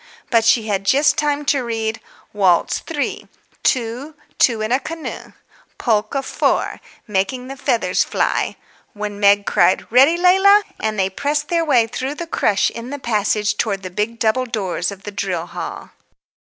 but she had just time to read: "Waltz 3. Two, Two in a Canoe. Polka 4. Making the Feathers Fly," when Meg cried, "Ready, Leila?" and they pressed their way through the crush in the passage towards the big double doors of the drill hall.